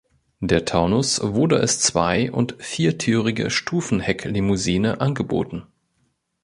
Der Taunus wurde als zwei- und viertürige Stufenhecklimousine angeboten.